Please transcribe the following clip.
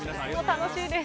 楽しいです。